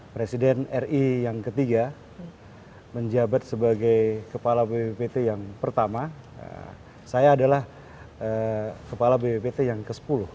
presiden ri yang ketiga menjabat sebagai kepala bppt yang pertama saya adalah kepala bppt yang ke sepuluh